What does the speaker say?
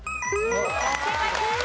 正解です。